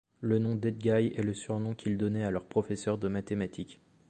Le nom d'Edguy est le surnom qu'ils donnaient à leur professeur de mathématiques.